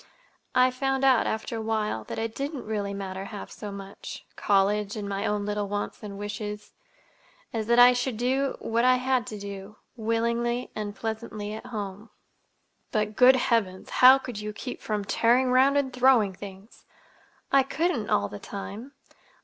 —I found out, after a while, that it didn't really matter, half so much—college and my own little wants and wishes as that I should do—what I had to do, willingly and pleasantly at home." "But, good Heavens, how could you keep from tearing 'round and throwing things?" "I couldn't—all the time.